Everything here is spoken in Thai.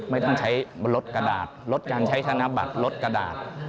ไม่ต้องใช้ลดกระดาษลดการใช้ธนบัตรลดกระดาษ